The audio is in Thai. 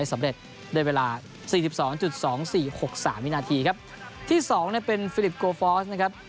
สำเร็จด้วยเวลา๔๒๒๔๖๓วินาทีครับที่สองเนี่ยเป็นฟิลิปโกฟอสนะครับ